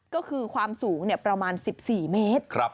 ก็คือความสูงประมาณ๑๔เมตร